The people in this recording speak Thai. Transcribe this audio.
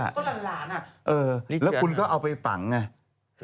ก็หลานอ่ะเออแล้วคุณก็เอาไปฝังไง